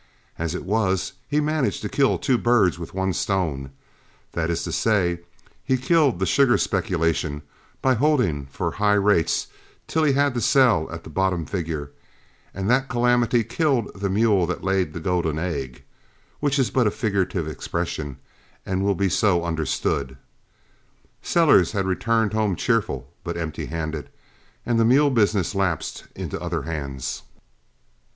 As it was, he managed to kill two birds with one stone that is to say, he killed the sugar speculation by holding for high rates till he had to sell at the bottom figure, and that calamity killed the mule that laid the golden egg which is but a figurative expression and will be so understood. Sellers had returned home cheerful but empty handed, and the mule business lapsed into other hands.